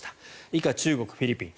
以下、中国、フィリピン。